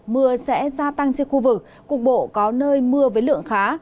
mưa sẽ gia tăng trên khu vực cục bộ có nơi mưa với lượng khá